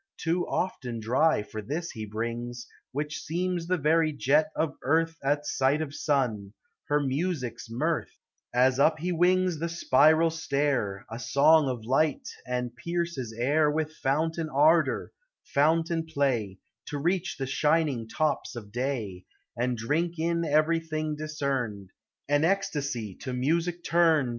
293 Too often dry for this he brings, Which seems the very jet of earth At sight of sun, her music's mirth, As up he wings the spiral si air, A song of light, and pierces air With fountain ardor, fountain play, To reach the shining tops of day, And drink in everything discerned, An ecstasy to music turned.